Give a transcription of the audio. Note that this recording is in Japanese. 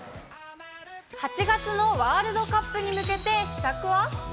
８月のワールドカップに向けて秘策は。